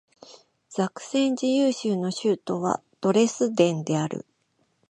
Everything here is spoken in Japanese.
ザクセン自由州の州都はドレスデンである